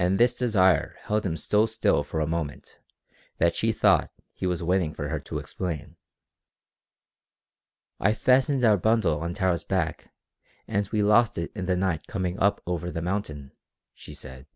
And this desire held him so still for a moment that she thought he was waiting for her to explain. "I fastened our bundle on Tara's back and we lost it in the night coming up over the mountain," she said.